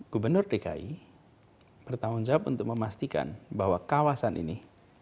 gubernur dki bertanggung jawab untuk memastikan bahwa kawasan ini